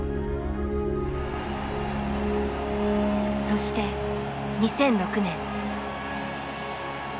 そして２００６年。